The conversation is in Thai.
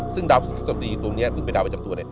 ซึ่งดาวประจำตัวนี้คือเป็นดาวประจำตัว